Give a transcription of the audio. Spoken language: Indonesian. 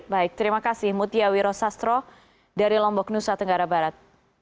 baik terima kasih mutia wiro sastro dari lombok nusa tenggara barat